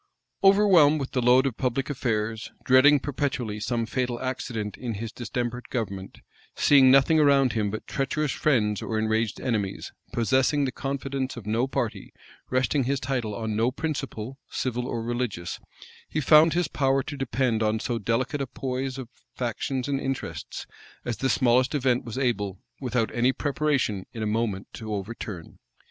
Overwhelmed with the load of public affairs, dreading perpetually some fatal accident in his distempered government, seeing nothing around him but treacherous friends or enraged enemies, possessing the confidence of no party, resting his title on no principle, civil or religious, he found his power to depend on so delicate a poise of factions and interests, as the smallest event was able, without any preparation, in a moment to overturn.